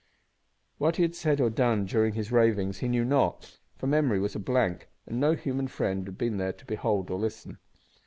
What he had said or done during his ravings he knew not, for memory was a blank, and no human friend had been there to behold or listen.